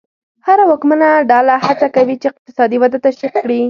هره واکمنه ډله هڅه کوي چې اقتصادي وده تشویق کړي.